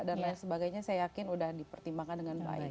dan lain sebagainya saya yakin sudah dipertimbangkan dengan baik